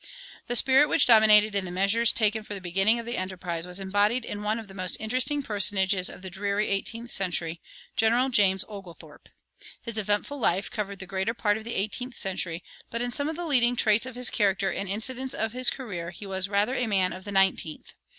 The spirit which dominated in the measures taken for the beginning of the enterprise was embodied in one of the most interesting personages of the dreary eighteenth century General James Oglethorpe. His eventful life covered the greater part of the eighteenth century, but in some of the leading traits of his character and incidents of his career he was rather a man of the nineteenth.